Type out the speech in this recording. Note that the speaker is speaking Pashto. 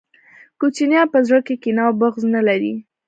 کوچنیان په زړه کي کینه او بغض نلري